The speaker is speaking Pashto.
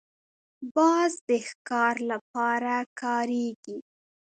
باز د ښکار لپاره کارېږي